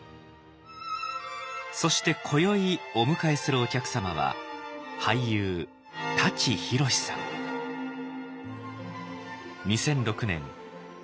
そして今宵お迎えするお客様は２００６年大河ドラマ